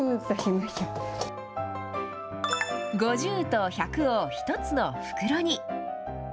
５０と１００を１つの袋に。